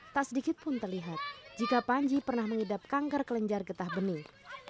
tak sedikit pun terlihat jika panji pernah mengidap kanker kelenjar getah benih